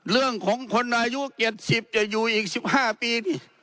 เรื่องของคนอายุ๗๐จะอยู่อีก๑๕ปีนี่